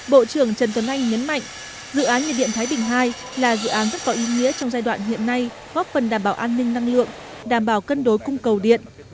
bộ trưởng trần tuấn anh nhấn mạnh dự án nhiệt điện thái bình ii là dự án rất có ý nghĩa trong giai đoạn hiện nay góp phần đảm bảo an ninh năng lượng đảm bảo cân đối cung cầu điện